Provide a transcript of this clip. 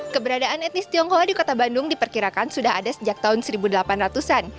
keberadaan etnis tionghoa di kota bandung diperkirakan sudah ada sejak tahun seribu delapan ratus an